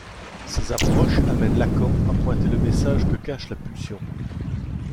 Ces approches amènent Lacan à pointer le message que cache la pulsion.